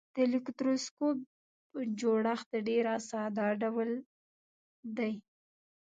د الکتروسکوپ جوړښت ډیر ساده ډول دی.